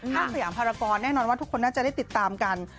สยามภารกรแน่นอนว่าทุกคนน่าจะได้ติดตามกัน